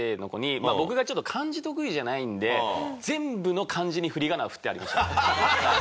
まあ僕がちょっと漢字得意じゃないんで全部の漢字にふりがなが振ってありました。